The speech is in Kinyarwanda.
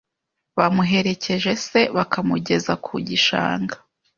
bamuherekeje se bakamugeza ku gishanga